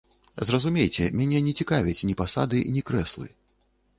Зразумейце, мяне не цікавяць ні пасады, ні крэслы.